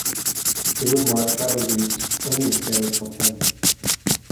It would mark Kaberle's only Stanley Cup win.